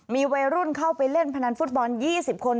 มีวัยรุ่นเข้าไปเล่นพนันฟุตบอล๒๐คน